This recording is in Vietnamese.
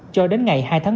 cho đến ngày hai tháng bảy